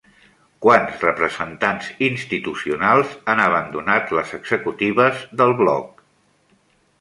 Quants representants institucionals han abandonat les executives del Bloc?